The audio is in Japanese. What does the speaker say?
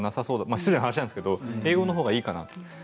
失礼な話なんですけれども英語のほうがいいかなと。